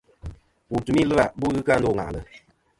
Wù n-tùmi ɨlvâ bu ghɨ kɨ a ndô ŋwàʼlɨ̀.